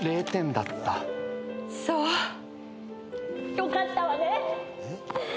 よかったわね！